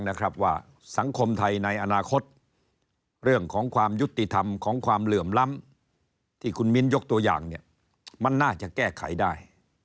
นะครับว่าสังคมไทยในอนาคตเรื่องของความยุติธรรมของความเหลื่อมล้ำที่คุณมิ้นยกตัวอย่างเนี่ยมันน่าจะแก้ไขได้